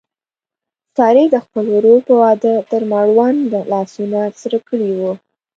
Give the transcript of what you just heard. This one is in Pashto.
سارې د خپل ورور په واده تر مړونده لاسونه سره کړي و.